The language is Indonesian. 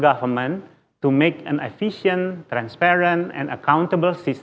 untuk membuat sistem yang efisien transparan dan berpengurusan